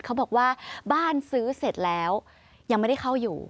เขาบอกว่าบ้านซื้อเสร็จแล้วยังไม่ได้เข้าอยู่